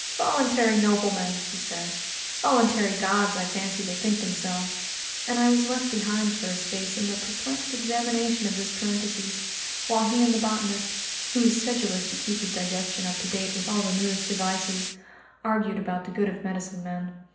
"Voluntary noblemen!" he said, "voluntary Gods I fancy they think themselves," and I was left behind for a space in the perplexed examination of this parenthesis, while he and the botanist who is sedulous to keep his digestion up to date with all the newest devices argued about the good of medicine men.